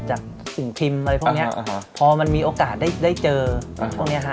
สิ่งพิมพ์อะไรพวกนี้พอมันมีโอกาสได้เจอพวกนี้ฮะ